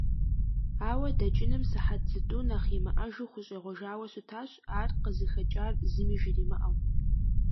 Ауэ дэкӀыным сыхьэт зытӀу нэхъ имыӀэжу хущӀегъуэжауэ щытащ, ар къызыхэкӀар зыми жримыӀэу.